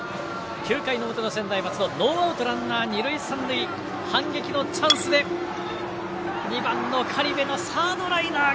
９回の表、専大松戸ノーアウトランナー、二塁三塁反撃のチャンスで２番の苅部のサードライナーが